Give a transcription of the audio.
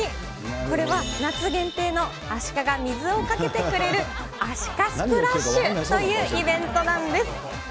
これは夏限定のアシカが水をかけてくれる、アシカスプラッシュ！というイベントなんです。